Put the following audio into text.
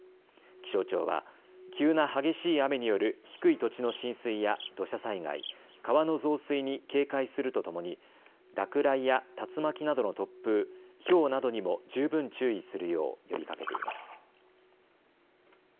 気象庁は急な激しい雨による低い土地の浸水や土砂災害、川の増水に警戒するとともに落雷や竜巻などの突風、ひょうなどにも十分注意するよう呼びかけています。